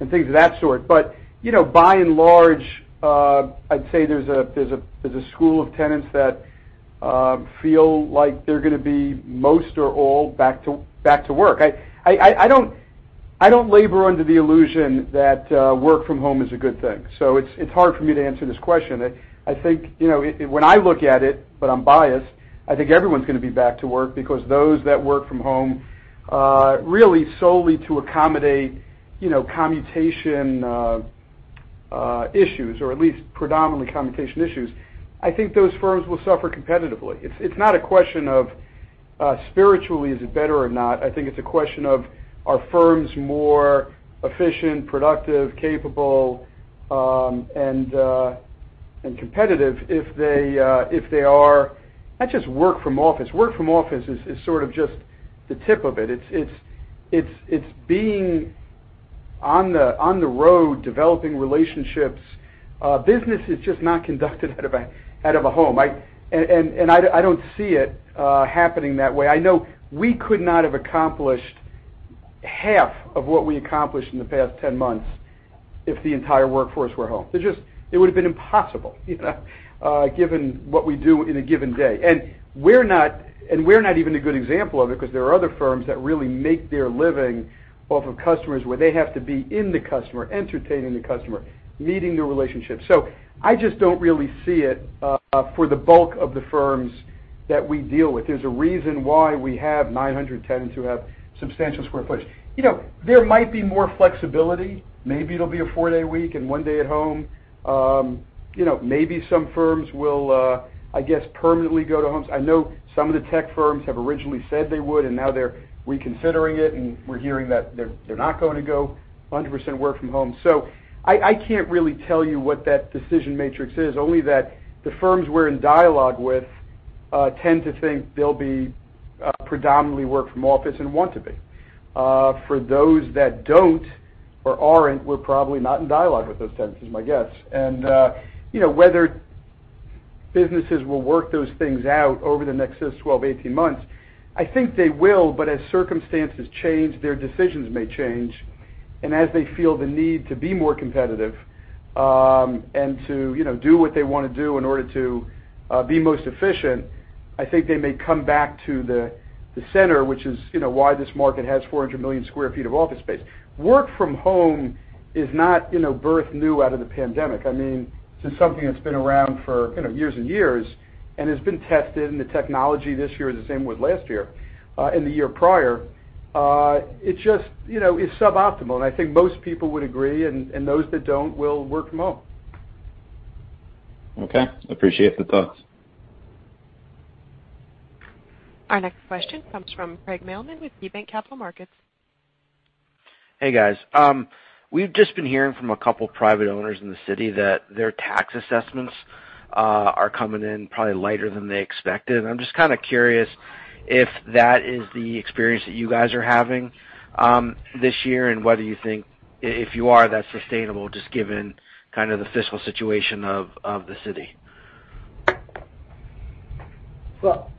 and things of that sort. By and large, I'd say there's a school of tenants that feel like they're going to be most or all back to work. I don't labor under the illusion that work from home is a good thing. It's hard for me to answer this question. I think when I look at it, but I'm biased, I think everyone's going to be back to work because those that work from home really solely to accommodate commutation issues, or at least predominantly commutation issues, I think those firms will suffer competitively. It's not a question of spiritually, is it better or not? I think it's a question of are firms more efficient, productive, capable, and competitive if they are not just work from office. Work from office is sort of just the tip of it. It's being on the road, developing relationships. Business is just not conducted out of a home. I don't see it happening that way. I know we could not have accomplished half of what we accomplished in the past 10 months if the entire workforce were home. It would've been impossible given what we do in a given day. We're not even a good example of it because there are other firms that really make their living off of customers, where they have to be in the customer, entertaining the customer, meeting new relationships. I just don't really see it for the bulk of the firms that we deal with. There's a reason why we have 900 tenants who have substantial square footage. There might be more flexibility. Maybe it'll be a four-day week and one day at home. Maybe some firms will, I guess, permanently go to homes. I know some of the tech firms have originally said they would, and now they're reconsidering it, and we're hearing that they're not going to go 100% work from home. I can't really tell you what that decision matrix is, only that the firms we're in dialogue with tend to think they'll be predominantly work from office and want to be. For those that don't or aren't, we're probably not in dialogue with those tenants is my guess. Whether businesses will work those things out over the next six, 12, 18 months, I think they will, but as circumstances change, their decisions may change. As they feel the need to be more competitive, and to do what they want to do in order to be most efficient, I think they may come back to the center, which is why this market has 400 million sq ft of office space. Work from home is not birthed new out of the pandemic. This is something that's been around for years and years and has been tested, and the technology this year is the same with last year and the year prior. It's just suboptimal, and I think most people would agree, and those that don't will work from home. Okay. Appreciate the thoughts. Our next question comes from Craig Mailman with KeyBanc Capital Markets. Hey, guys. We've just been hearing from a couple private owners in the city that their tax assessments are coming in probably lighter than they expected. I'm just kind of curious if that is the experience that you guys are having this year, and whether you think if you are, that's sustainable, just given kind of the fiscal situation of the city. Well,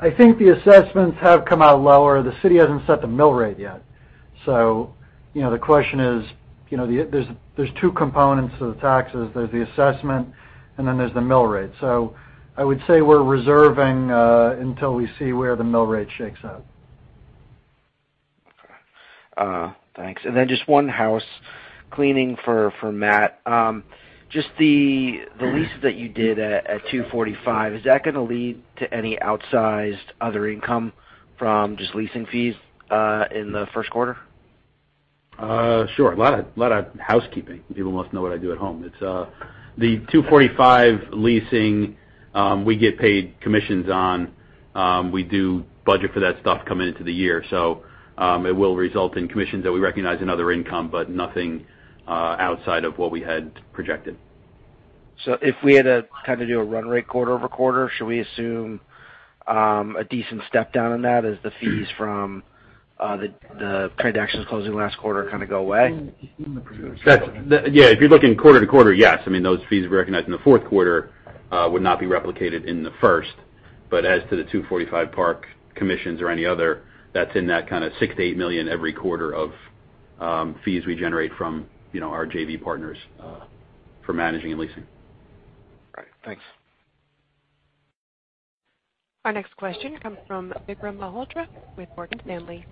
I think the assessments have come out lower. The city hasn't set the mill rate yet. The question is, there's two components to the taxes. There's the assessment, and then there's the mill rate. I would say we're reserving until we see where the mill rate shakes out. Okay. Thanks. Just one house cleaning for Matt. Just the leases that you did at 245, is that going to lead to any outsized other income from just leasing fees in the first quarter? Sure. A lot of housekeeping. People must know what I do at home. The 245 leasing, we get paid commissions on. We do budget for that stuff coming into the year. It will result in commissions that we recognize in other income, but nothing outside of what we had projected. If we had to kind of do a run rate quarter-over-quarter, should we assume a decent step down in that as the fees from the transactions closing last quarter kind of go away? Yeah, if you're looking quarter-to-quarter. Yes, I mean, those fees we recognized in the fourth quarter would not be replicated in the first. As to the 245 Park commissions or any other, that's in that kind of $6 million-$8 million every quarter of fees we generate from our JV partners for managing and leasing. Right. Thanks. Our next question comes from Vikram Malhotra with Morgan Stanley.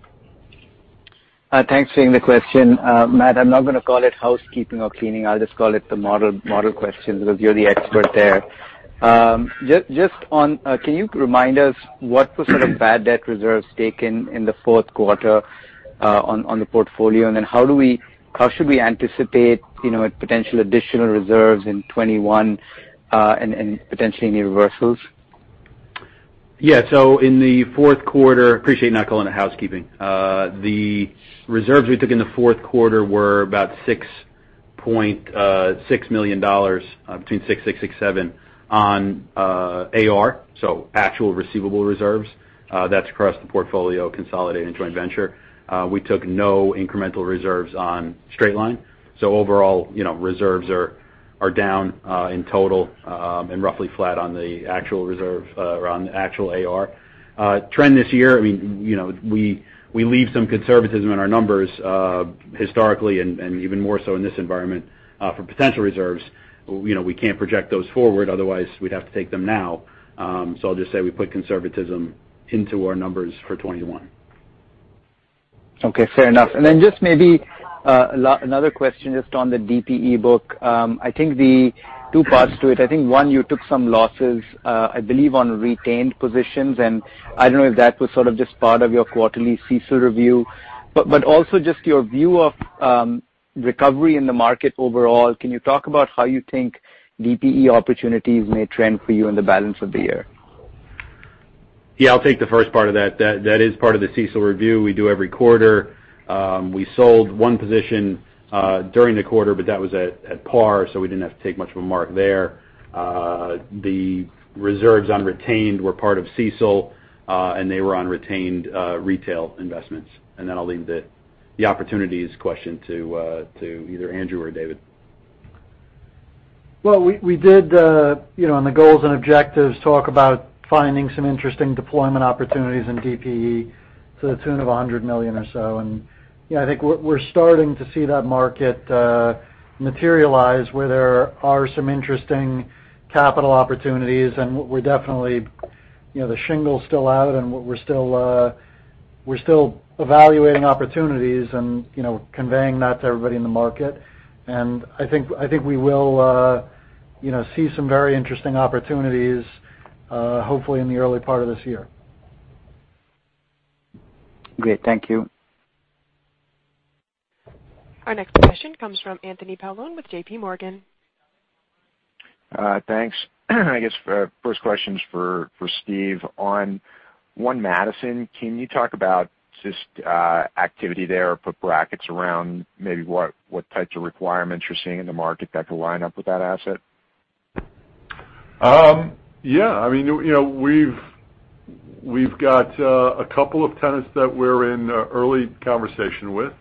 Thanks for taking the question. Matt, I'm not going to call it housekeeping or cleaning. I'll just call it the model question because you're the expert there. Can you remind us what the sort of bad debt reserves taken in the fourth quarter on the portfolio, and then how should we anticipate potential additional reserves in 2021 and potentially any reversals? Yeah. In the fourth quarter, appreciate not calling it housekeeping. The reserves we took in the fourth quarter were about $6.6 million, between $6.6 million, $6.7 million on AR, so actual receivable reserves. That's across the portfolio, consolidated joint venture. We took no incremental reserves on straight line. Overall, reserves are down in total and roughly flat on the actual reserve around the actual AR. Trend this year, we leave some conservatism in our numbers historically and even more so in this environment for potential reserves. We can't project those forward, otherwise we'd have to take them now. I'll just say we put conservatism into our numbers for 2021. Okay, fair enough. Just maybe another question just on the DPE book. The two parts to it, one, you took some losses, I believe, on retained positions. I don't know if that was sort of just part of your quarterly CECL review, also just your view of recovery in the market overall. Can you talk about how you think DPE opportunities may trend for you in the balance of the year? Yeah, I'll take the first part of that. That is part of the CECL review we do every quarter. We sold one position during the quarter, that was at par, we didn't have to take much of a mark there. The reserves on retained were part of CECL, they were on retained retail investments. I'll leave the opportunities question to either Andrew or David. Well, we did, on the goals and objectives, talk about finding some interesting deployment opportunities in DPE to the tune of $100 million or so. Yeah, I think we're starting to see that market materialize where there are some interesting capital opportunities. The shingle's still out, and we're still We're still evaluating opportunities and conveying that to everybody in the market. I think we will see some very interesting opportunities, hopefully, in the early part of this year. Great. Thank you. Our next question comes from Anthony Paolone with JPMorgan. Thanks. I guess, first question's for Steve on One Madison. Can you talk about just activity there, put brackets around maybe what types of requirements you're seeing in the market that could line up with that asset? Yeah. We've got a couple of tenants that we're in early conversation with.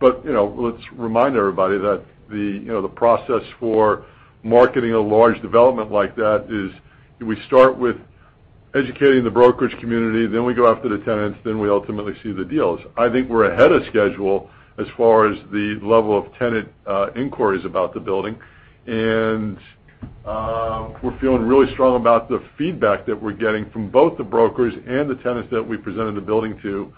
Let's remind everybody that the process for marketing a large development like that is, we start with educating the brokerage community, then we go after the tenants, then we ultimately see the deals. I think we're ahead of schedule as far as the level of tenant inquiries about the building. We're feeling really strong about the feedback that we're getting from both the brokers and the tenants that we presented the building to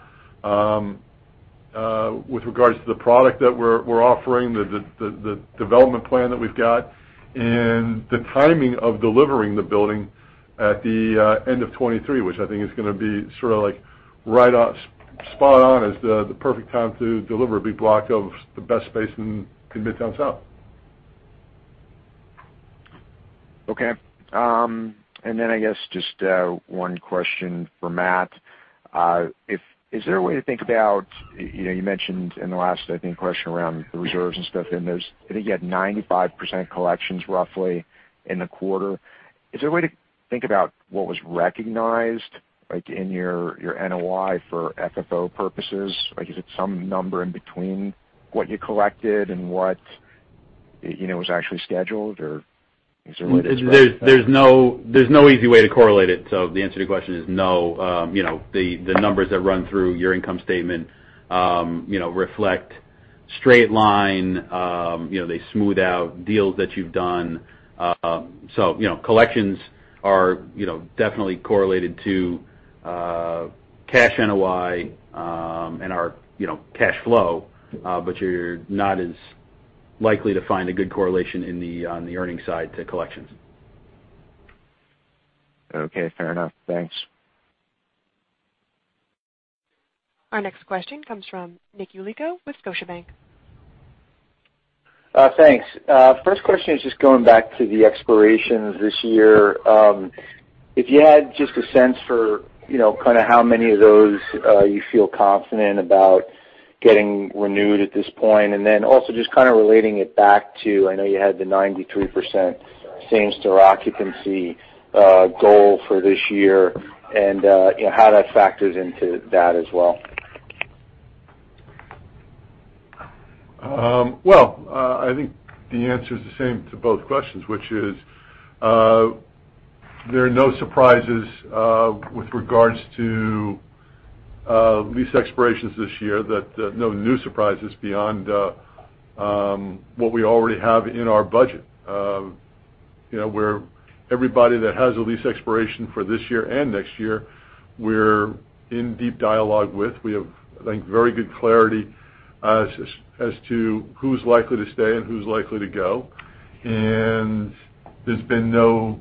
with regards to the product that we're offering, the development plan that we've got, and the timing of delivering the building at the end of 2023, which I think is going to be sort of spot on as the perfect time to deliver a big block of the best space in Midtown South. Okay. I guess, just one question for Matt. Is there a way to think about, you mentioned in the last, I think, question around the reserves and stuff, and I think you had 95% collections roughly in the quarter. Is there a way to think about what was recognized, like in your NOI for FFO purposes? Is it some number in between what you collected and what was actually scheduled, or is there a way to? There's no easy way to correlate it. The answer to your question is no. The numbers that run through your income statement reflect straight line, they smooth out deals that you've done. Collections are definitely correlated to cash NOI and our cash flow, but you're not as likely to find a good correlation on the earnings side to collections. Okay. Fair enough. Thanks. Our next question comes from Nick Yulico with Scotiabank. Thanks. First question is just going back to the expirations this year. If you had just a sense for kind of how many of those you feel confident about getting renewed at this point, and then also just kind of relating it back to, I know you had the 93% same-store occupancy goal for this year, and how that factors into that as well. Well, I think the answer is the same to both questions, which is, there are no surprises with regards to lease expirations this year, no new surprises beyond what we already have in our budget. Where everybody that has a lease expiration for this year and next year, we're in deep dialogue with. We have, I think, very good clarity as to who's likely to stay and who's likely to go. There's been no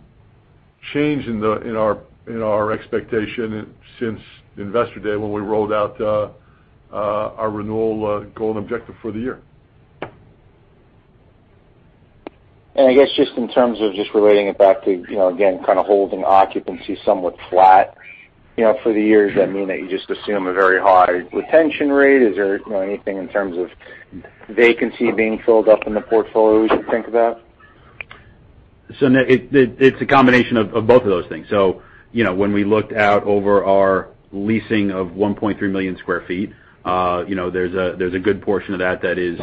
change in our expectation since Investor Day, when we rolled out our renewal goal and objective for the year. I guess just in terms of relating it back to, again, kind of holding occupancy somewhat flat for the year, does that mean that you just assume a very high retention rate? Is there anything in terms of vacancy being filled up in the portfolio we should think about? Nick, it's a combination of both of those things. When we looked out over our leasing of 1.3 million sq ft, there's a good portion of that that is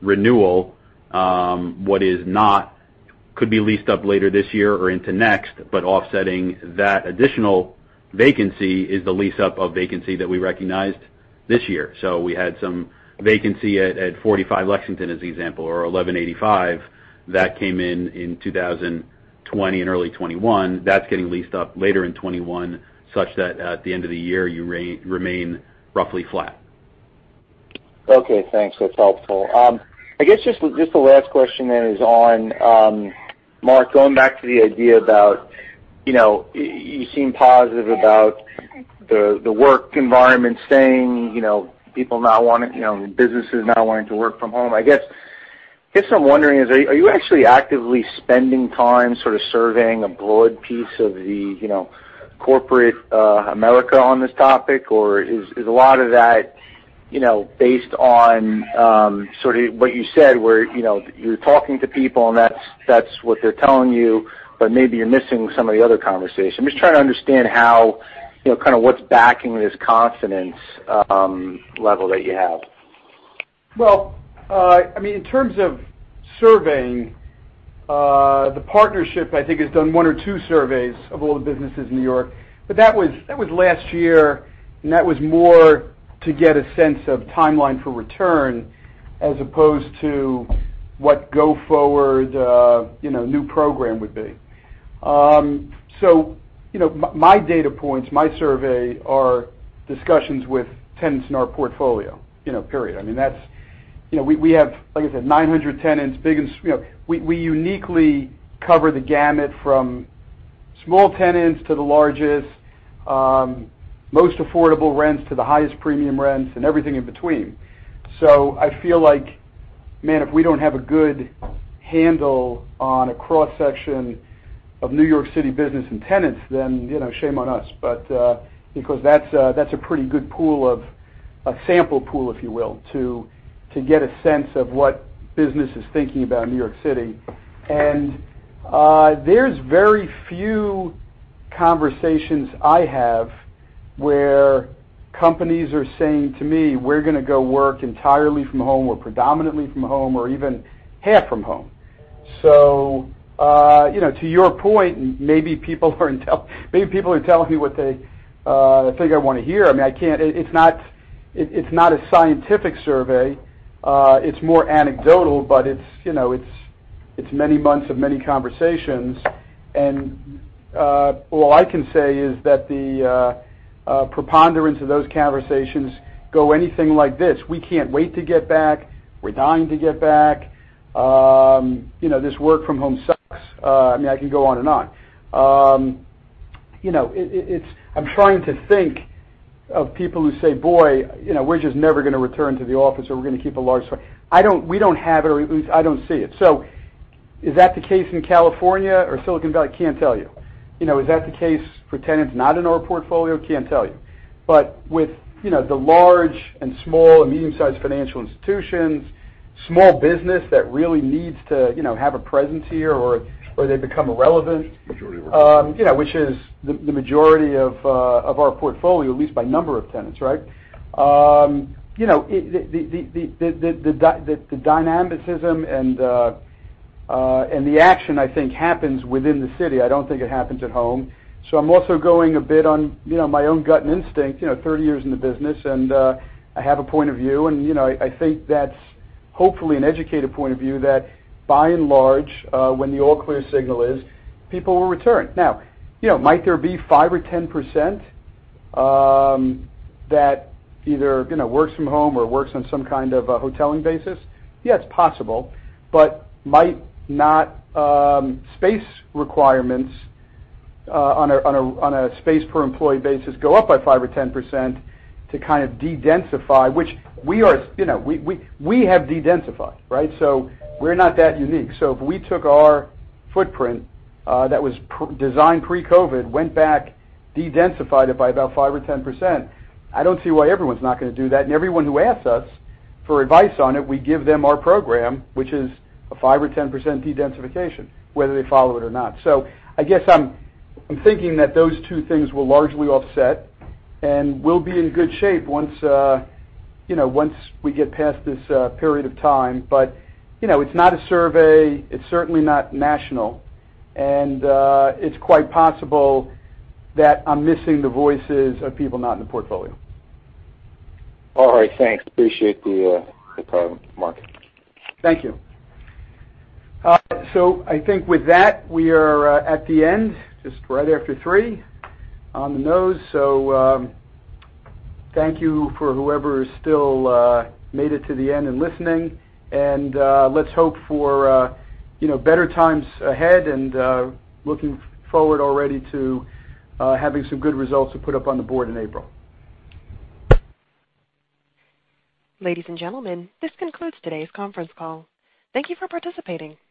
renewal. What is not could be leased up later this year or into next, but offsetting that additional vacancy is the lease-up of vacancy that we recognized this year. We had some vacancy at 485 Lexington, as the example, or 1185, that came in in 2020 and early 2021. That's getting leased up later in 2021, such that at the end of the year, you remain roughly flat. Okay, thanks. That's helpful. I guess just the last question is on, Marc, going back to the idea about, you seem positive about the work environment staying, businesses not wanting to work from home. I guess I'm wondering, are you actually actively spending time sort of surveying a broad piece of the corporate America on this topic, or is a lot of that based on sort of what you said, where you're talking to people and that's what they're telling you, but maybe you're missing some of the other conversation? I'm just trying to understand kind of what's backing this confidence level that you have. Well, in terms of surveying, the partnership I think has done one or two surveys of all the businesses in New York, but that was last year, and that was more to get a sense of timeline for return. As opposed to what go forward new program would be. My data points, my survey are discussions with tenants in our portfolio, period. We have, like I said, 900 tenants. We uniquely cover the gamut from small tenants to the largest, most affordable rents to the highest premium rents and everything in between. I feel like, man, if we don't have a good handle on a cross-section of New York City business and tenants, then shame on us, because that's a pretty good sample pool, if you will, to get a sense of what business is thinking about New York City. There's very few conversations I have where companies are saying to me, "We're going to go work entirely from home, or predominantly from home, or even half from home." To your point, maybe people are telling me what they figure I want to hear. It's not a scientific survey, it's more anecdotal, but it's many months of many conversations. All I can say is that the preponderance of those conversations go anything like this, "We can't wait to get back. We're dying to get back. This work from home sucks." I mean, I can go on and on. I'm trying to think of people who say, "Boy, we're just never going to return to the office." We don't have it, or at least I don't see it. Is that the case in California or Silicon Valley? Can't tell you. Is that the case for tenants not in our portfolio? Can't tell you. With the large and small and medium-sized financial institutions, small business that really needs to have a presence here or they become irrelevant. Majority of our portfolio. which is the majority of our portfolio, at least by number of tenants, right? The dynamicism and the action, I think, happens within the city. I don't think it happens at home. I'm also going a bit on my own gut and instinct, 30 years in the business, and I have a point of view, and I think that's hopefully an educated point of view that by and large, when the all-clear signal is, people will return. Now, might there be 5% or 10% that either works from home or works on some kind of a hoteling basis? Yeah, it's possible, but might not space requirements on a space-per-employee basis go up by 5% or 10% to kind of de-densify, which we have de-densified, right? We're not that unique. If we took our footprint that was designed pre-COVID, went back, de-densified it by about 5 or 10%, I don't see why everyone's not going to do that. Everyone who asks us for advice on it, we give them our program, which is a 5 or 10% de-densification, whether they follow it or not. I guess I'm thinking that those two things will largely offset, and we'll be in good shape once we get past this period of time. It's not a survey, it's certainly not national, and it's quite possible that I'm missing the voices of people not in the portfolio. All right, thanks. Appreciate the comment, Marc. Thank you. I think with that, we are at the end, just right after 3:00 on the nose. Thank you for whoever still made it to the end and listening. Let's hope for better times ahead and looking forward already to having some good results to put up on the board in April. Ladies and gentlemen, this concludes today's conference call. Thank you for participating. You may disconnect.